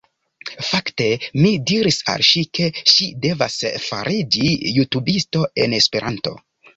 Fakte, mi diris al ŝi, ke ŝi devas fariĝi jutubisto en Esperanto